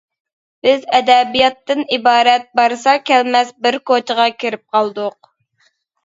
بىز ئەدەبىياتتىن ئىبارەت بارسا كەلمەس بىر كوچىغا كىرىپ قالدۇق.